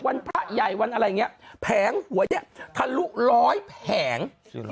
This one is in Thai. พระใหญ่วันอะไรอย่างนี้แผงหวยเนี่ยทะลุร้อยแผง